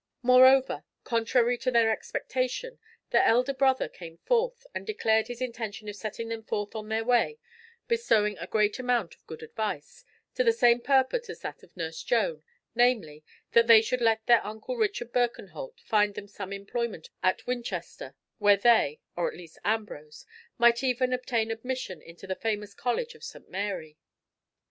Moreover, contrary to their expectation, their elder brother came forth, and declared his intention of setting them forth on their way, bestowing a great amount of good advice, to the same purport as that of nurse Joan, namely, that they should let their uncle Richard Birkenholt find them some employment at Winchester, where they, or at least Ambrose, might even obtain admission into the famous college of St. Mary.